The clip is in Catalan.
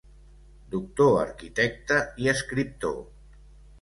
Doctor arquitecte i escriptor.